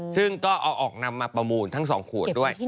ซึ่งก็เอาออกนำมาประมูลทั้ง๒ขวดด้วย